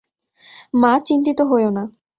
মা, চিন্তিত হয়ো না।